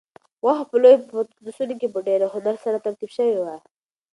غوښه په لویو پتنوسونو کې په ډېر هنر سره ترتیب شوې وه.